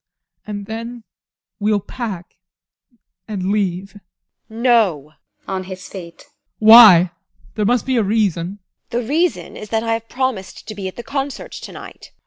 And then we'll pack and leave. TEKLA. No! ADOLPH. [On his feet] Why? There must be a reason. TEKLA. The reason is that I have promised to be at the concert to night.